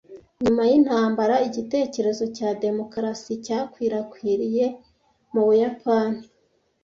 Nyuma y'intambara, igitekerezo cya demokarasi cyakwirakwiriye mu Buyapani.